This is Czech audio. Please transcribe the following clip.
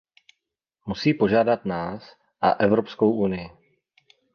Musí požádat nás a Evropskou unii.